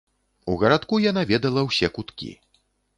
У гарадку яна ведала ўсе куткі.